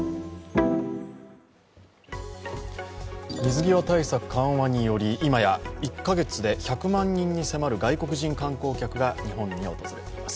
水際対策緩和により、今や、１か月で１００万人に迫る外国人観光客が日本に訪れています。